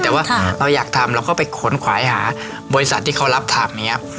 แต่ว่าเราอยากทำเราก็ไปขนขวายหาบริษัทที่เขารับถาบนี้